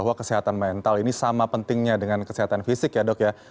jadi kemampuan mental ini sama pentingnya dengan kesehatan fisik ya dok ya